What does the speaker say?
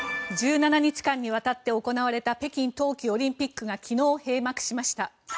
１７日間にわたって行われた北京冬季オリンピックが昨日、閉幕しました。